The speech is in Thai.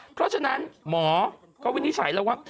เพราะฉะนั้นหมอก็วินิจฉัยแล้วว่า